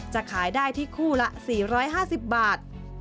จะขายได้ที่คู่ละ๔๕๐บาท